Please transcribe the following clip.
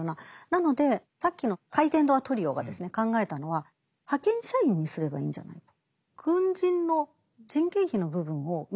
なのでさっきの回転ドアトリオが考えたのは派遣社員にすればいいんじゃないと。